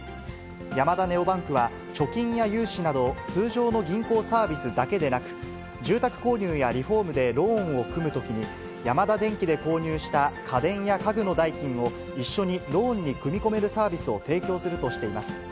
ヤマダネオバンクは、貯金や融資など、通常の銀行サービスだけでなく、住宅購入やリフォームでローンを組むときに、ヤマダ電機で購入した家電や家具の代金を、一緒にローンに組み込めるサービスを提供するとしています。